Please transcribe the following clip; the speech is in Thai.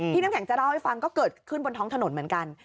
น้ำแข็งจะเล่าให้ฟังก็เกิดขึ้นบนท้องถนนเหมือนกัน